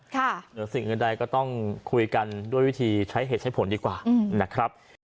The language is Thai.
เหนือสิ่งอื่นใดก็ต้องคุยกันด้วยวิธีใช้เหตุใช้ผลดีกว่านะครับ